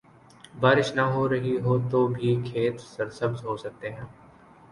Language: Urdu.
بارش نہ ہو رہی ہو تو بھی کھیت سرسبز ہو سکتے ہیں۔